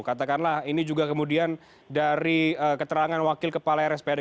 katakanlah ini juga kemudian dari keterangan wakil kepala rspad